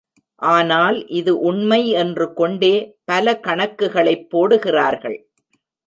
ஆனால் இது உண்மை என்று கொண்டே பல கணக்குகளைப் போடுகிறார்கள்.